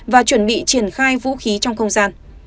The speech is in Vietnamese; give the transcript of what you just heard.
và chuẩn bị triển khai vũ khí trong không gian